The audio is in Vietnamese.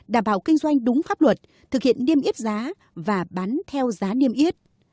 đảm bảo kinh doanh đúng pháp luật thực hiện niêm yếp giá và bán theo giá niêm yếp